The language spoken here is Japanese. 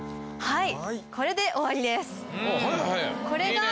はい。